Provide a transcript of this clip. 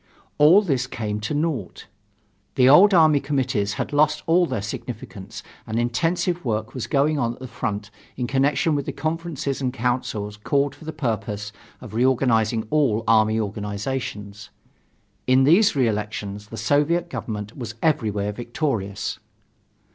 All this came to naught. The old army committees had lost all their significance, and intensive work was going on at the front in connection with the conferences and councils called for the purpose of reorganizing all army organizations. In these re elections the Soviet Government was everywhere victorious.